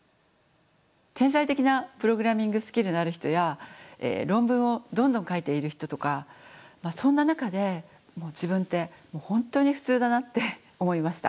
天才的なプログラミングスキルのある人や論文をどんどん書いている人とかそんな中で自分ってもう本当に普通だなって思いました。